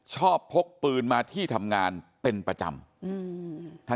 พกปืนมาที่ทำงานเป็นประจำ